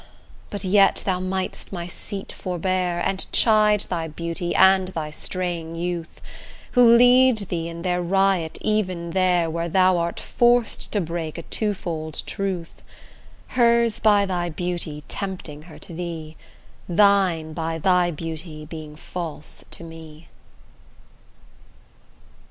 but yet thou mightst my seat forbear, And chide thy beauty and thy straying youth, Who lead thee in their riot even there Where thou art forced to break a twofold truth: Hers by thy beauty tempting her to thee, Thine by thy beauty being false to me.